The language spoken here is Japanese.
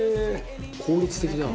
「効率的だ」